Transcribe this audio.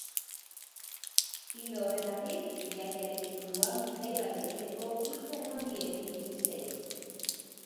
Ildo horretatik, ilargiaren inguruan bidai bat egiteko hitza eman die bi turistei.